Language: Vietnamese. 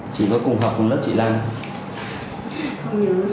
chị có cùng học của lớp chị lành